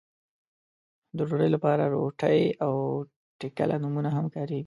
د ډوډۍ لپاره روټۍ او ټکله نومونه هم کاريږي.